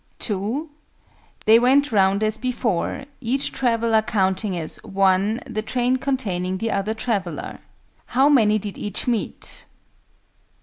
(2) "They went round, as before, each traveller counting as 'one' the train containing the other traveller. How many did each meet?"